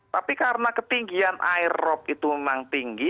tapi karena ketinggian airrop itu memang tinggi